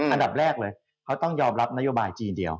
อันดับแรกเลยเขาต้องยอมรับนโยบายจีนเดียว